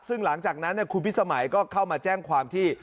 ซึ่งหลังจากนั้นคุณพิสมัยก็เข้ามาแจ้งความที่